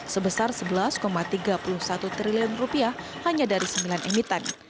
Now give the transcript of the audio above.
sebesar rp sebelas tiga puluh satu triliun rupiah hanya dari sembilan emiten